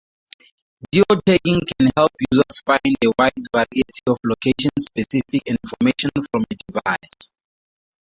Geotagging can help users find a wide variety of location-specific information from a device.